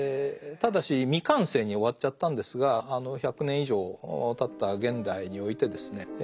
ただし未完成に終わっちゃったんですが１００年以上たった現代においてですね